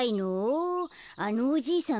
あのおじいさん